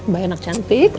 bayi enak cantik